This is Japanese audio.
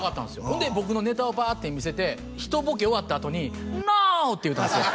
ほんで僕のネタをパーッて見せて１ボケ終わったあとにＮｏ！って言うたんですよ